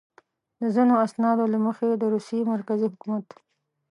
د ځینو اسنادو له مخې د روسیې مرکزي حکومت.